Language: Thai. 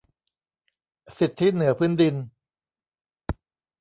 สิทธิเหนือพื้นดิน